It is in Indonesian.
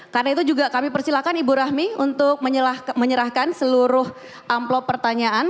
karena itu juga kami persilahkan ibu rahmi untuk menyerahkan seluruh amplop pertanyaan